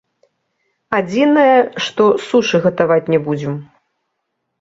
Адзінае, што сушы гатаваць не будзем.